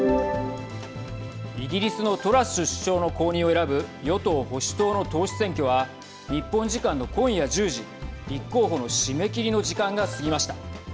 イギリスのトラス首相の後任を選ぶ与党・保守党の党首選挙は日本時間の今夜１０時立候補の締め切りの時間が過ぎました。